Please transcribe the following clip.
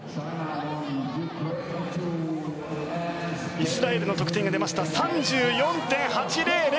イスラエルの得点が出ました、３４．８００。